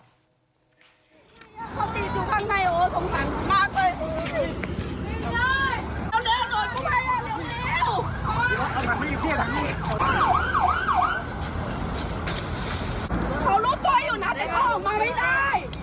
เขาตีจุดข้างในโอ้โธงฝังมากเลย